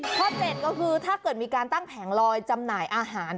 ๗ก็คือถ้าเกิดมีการตั้งแผงลอยจำหน่ายอาหาร